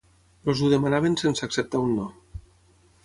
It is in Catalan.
Els ho demanaven sense acceptar un no.